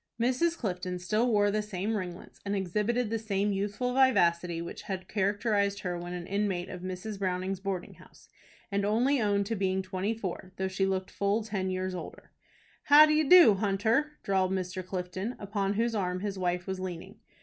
Mrs. Clifton still wore the same ringlets, and exhibited the same youthful vivacity which had characterized her when an inmate of Mrs. Browning's boarding house, and only owned to being twenty four, though she looked full ten years older. "How d'e do, Hunter?" drawled Mr. Clifton, upon whose arm his wife was leaning.